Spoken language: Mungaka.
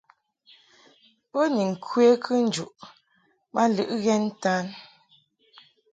Bo ni ŋkwe kɨnjuʼ ma lɨʼ ghɛn ntan.